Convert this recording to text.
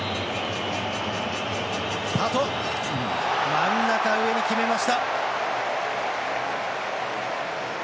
真ん中上に決めました。